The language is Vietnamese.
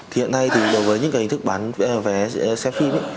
hiện nay thì đối với những hình thức bán vé xe phim